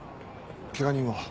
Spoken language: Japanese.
ケガ人は？